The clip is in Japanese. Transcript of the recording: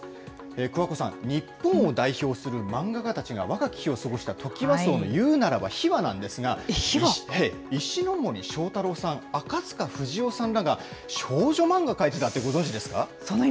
桑子さん、日本を代表する漫画家たちが若き日を過ごしたトキワ荘の、いうならば秘話なんですが、石ノ森章太郎さん、赤塚不二夫さんらが少女漫画描いてたってご存じですか。